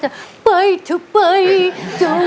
แต่พี่ตักก็จะ